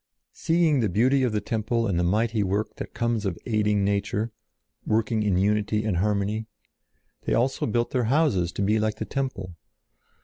Seeing the beauty of the temple and the mighty work that comes of aiding nature, working in unity and harmony, they also built their houses to be like the temple.